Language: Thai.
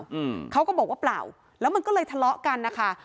อืมเขาก็บอกว่าเปล่าแล้วมันก็เลยทะเลาะกันนะคะ